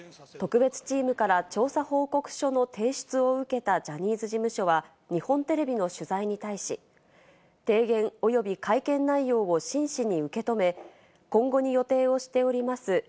特別チームから調査報告書の提出を受けたジャニーズ事務所は、日本テレビの取材に対し、提言、および会見内容を真摯に受けとめ、今後に予定をしております